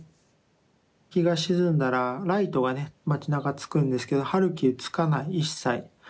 日が沈んだらライトがね町なかつくんですけどハルキウつかない一切。